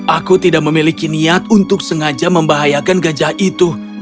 aku tidak memiliki niat untuk sengaja membahayakan gajah itu